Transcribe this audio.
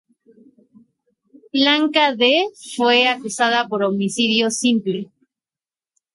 Blanca D. fue acusada por homicidio simple.